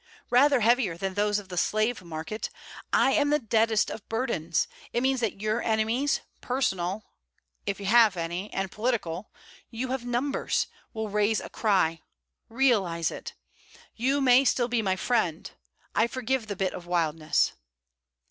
'Rather heavier than those of the slave market! I am the deadest of burdens. It means that your enemies, personal if you have any, and political you have numbers; will raise a cry.... Realize it. You may still be my friend. I forgive the bit of wildness.'